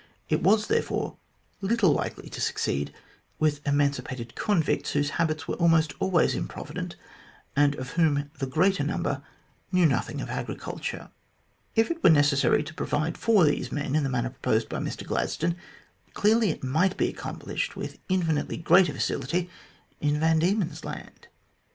It was therefore little likely to succeed with emancipated convicts, whose habits were almost always improvident, and of whom much the greater number knew nothing of agri culture. If it were necessary to provide for these men in the manner proposed by Mr Gladstone, clearly it might be accomplished with infinitely greater facility in Van Diemen's Land.